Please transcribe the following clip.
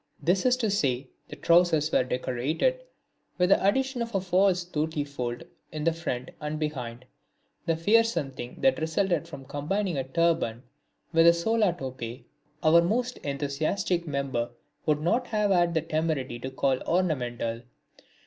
That is to say, the trousers were decorated with the addition of a false dhoti fold in front and behind. The fearsome thing that resulted from combining a turban with a Sola topee our most enthusiastic member would not have had the temerity to call ornamental.